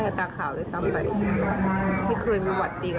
ก็อยากจะบอกเหมือนกันว่าบางครั้งถ้าเชื่อพ่อแม่มันก็จะดี